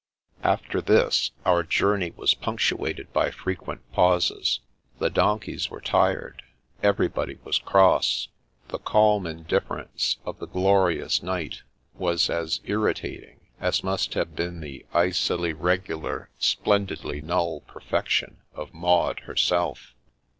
After this, our journey was punctuated by fre quent pauses. The donkeys were tired ; everybody was cross ; the calm indifference of the glorious night was as irritating as must have been the " icily regu lar, splendidly null " perfection of Maud herself.